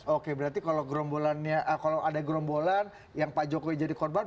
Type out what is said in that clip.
oke berarti kalau ada gerombolan yang pak jokowi jadi korban